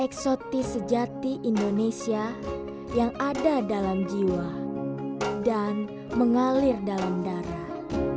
eksotis sejati indonesia yang ada dalam jiwa dan mengalir dalam darah